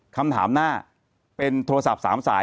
คำถามหน้าเป็นโทรศัพท์๓สาย